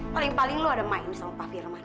paling paling lu ada main sama pak firman